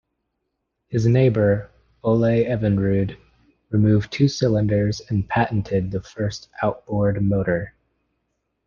His neighbor, Ole Evinrude, removed two cylinders and patented the first outboard motor.